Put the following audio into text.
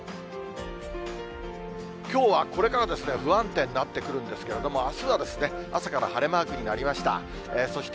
きょうはこれから不安定になってくるんですけれども、あすはですね、朝から晴れマークになりました。